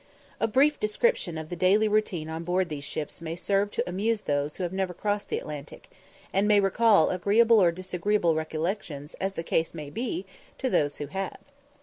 A brief description of the daily routine on board these ships may serve to amuse those who have never crossed the Atlantic, and may recall agreeable or disagreeable recollections, as the case may be, to those who have.